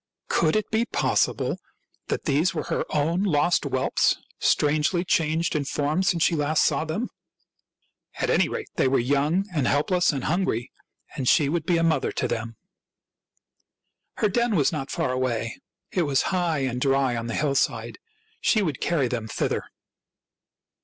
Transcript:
Could it be possible that these were her own lost whelps, strangely changed in form since she last saw them ? At any rate they were young and help less and hungry; and she would be a mother to them. HOW ROME WAS FOUNDED 185 Her den was not far away. It was high and dry on the hillside. She would carry them thither.